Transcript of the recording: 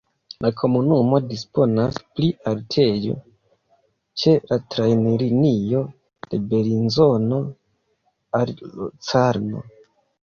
La komunumo disponas pri haltejo ĉe la trajnlinio de Belinzono al Locarno.